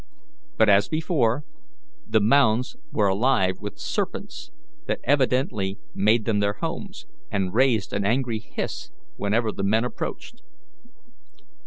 But as before, the mounds were alive with serpents that evidently made them their homes, and raised an angry hiss whenever the men approached.